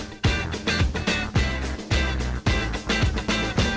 สวัสดีครับ